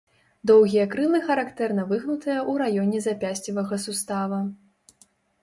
Доўгія крылы характэрна выгнутыя ў раёне запясцевага сустава.